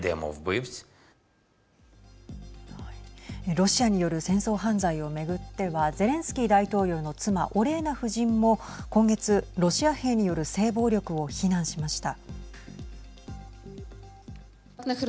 ロシアによる戦争犯罪を巡ってはゼレンスキー大統領の妻オレーナ夫人も今月ロシア兵による性暴力を非難しました。